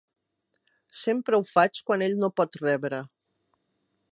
Sempre ho faig, quan ell no pot rebre.